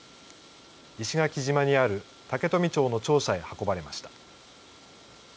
石垣島にある竹富町の庁舎へ運ばれました。